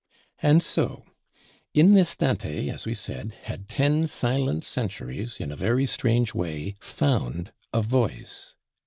And so in this Dante, as we said, had ten silent centuries, in a very strange way, found a voice.